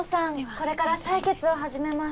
これから採血を始めます